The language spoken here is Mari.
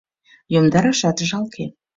Йомдарашат жалке.